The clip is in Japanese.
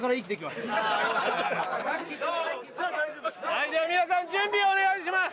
はいでは皆さん準備お願いします